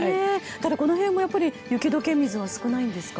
ただ、この辺もやっぱり雪解け水が少ないんですか？